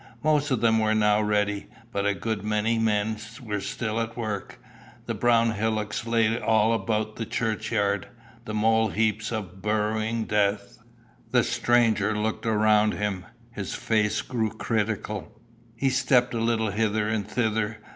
Most of them were now ready, but a good many men were still at work. The brown hillocks lay all about the church yard the mole heaps of burrowing Death. The stranger looked around him. His face grew critical. He stepped a little hither and thither.